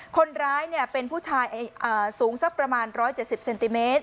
คนร้ายเป็นผู้ชายสูงสักประมาณ๑๗๐เซนติเมตร